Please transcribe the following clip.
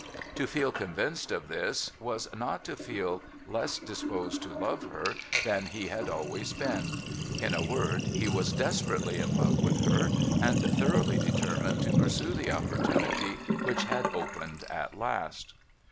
To feel convinced of this, was not to feel less disposed to love her than he had always been. In a word, he was desperately in love with her, and thoroughly determined to pursue the opportunity which had opened at last.